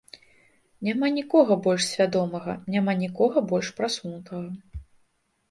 Няма нікога больш свядомага, няма нікога больш прасунутага.